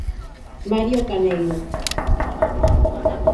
Mario Caneiro.